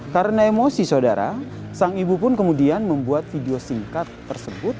karena emosi saudara sang ibu pun kemudian membuat video singkat tersebut